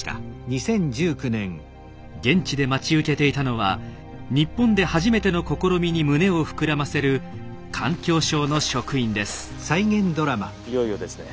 現地で待ち受けていたのは日本で初めての試みに胸を膨らませる環境省の職員です。